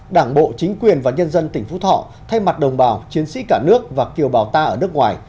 đảng bộ chính quyền và nhân dân tỉnh phú thọ thay mặt đồng bào chiến sĩ cả nước và kiều bào ta ở nước ngoài